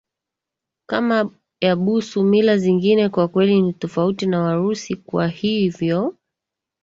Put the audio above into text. kama ya busu Mila zingine kwa kweli ni tofauti na Warusi Kwa hivyo